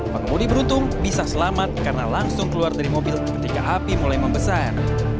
pengemudi beruntung bisa selamat karena langsung keluar dari mobil ketika api mulai membesar